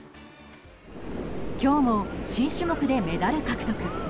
今日も新種目でメダル獲得。